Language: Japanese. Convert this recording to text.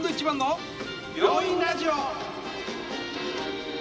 「病院ラジオ」。